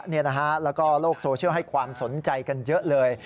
แล้วก็โลกโซเชียลให้ความสนใจกันเยอะเลย